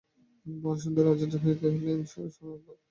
বরদাসুন্দরী আশ্চর্য হইয়া কহিলেন, শোনো একবার!